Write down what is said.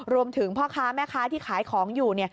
รวมถึงพ่อค้าแม่ค้าที่ขายของอยู่